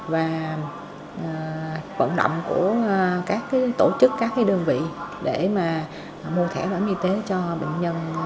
và vận động của các tổ chức các đơn vị để mua thẻ bảo hiểm y tế cho bệnh nhân